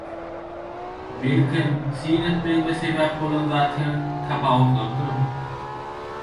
Belkem syn etmegime sebäp bolan zat hem tapawutlarydyr.